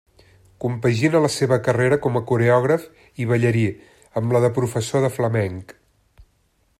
Compagina la seva carrera com a coreògraf i ballarí amb la de professor de flamenc.